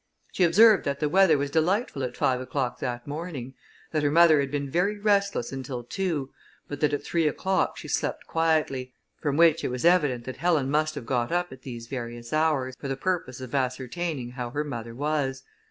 She observed that the weather was delightful at five o'clock that morning: that her mother had been very restless until two, but that at three o'clock she slept quietly; from which it was evident that Helen must have got up at these various hours, for the purpose of ascertaining how her mother was.